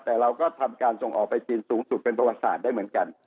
แต่เราก็ทำการส่งออกไปจีนสูงสุดเป็นประวัติศาสตร์ได้เหมือนกัน